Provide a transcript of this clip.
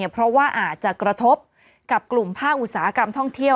เพราะว่าอาจจะกระทบกับกลุ่มภาคอุตสาหกรรมท่องเที่ยว